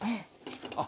あっ！